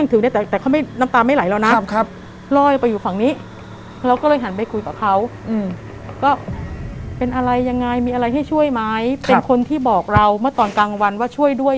อืมนั่งสมาธิช่วยด้วย